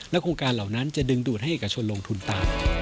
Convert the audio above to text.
โครงการเหล่านั้นจะดึงดูดให้เอกชนลงทุนตาม